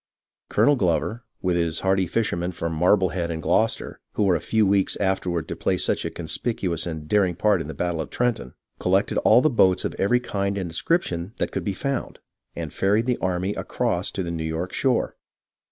Colonel Glover, with his hardy fishermen from Marblehead and Gloucester, who were a few weeks after ward to play such a conspicuous and daring part in the battle of Trenton, collected all the boats of every kind and J «l EVENTS IN AND NEAR NEW YORK 117 description that could be found, and ferried the army across to the New York shore.